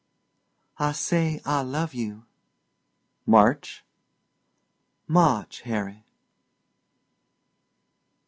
"I say I love you." "March?" "March, Harry."